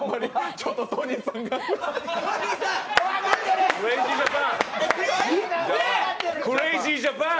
ちょっとトニーさんがクレイジージャパン。